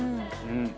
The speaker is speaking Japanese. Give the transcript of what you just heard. うん。